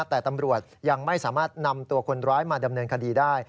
แต่ตำรวจยังไม่สามารถนำตัวคนร้ายมาดำเนินคดีได้